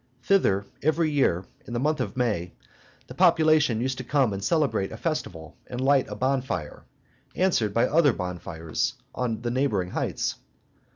Thither, every year, in the month of May, the population used to come and celebrate a festival and light a bonfire, answered by other bonfires on the neighboring heights.